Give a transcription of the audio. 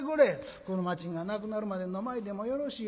「俥賃がなくなるまで飲まいでもよろしいやろ。